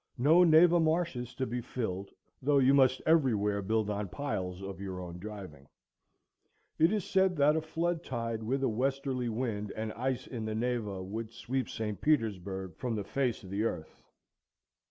No Neva marshes to be filled; though you must every where build on piles of your own driving. It is said that a flood tide, with a westerly wind, and ice in the Neva, would sweep St. Petersburg from the face of the earth.